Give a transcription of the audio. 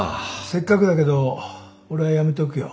せっかくだけど俺はやめとくよ。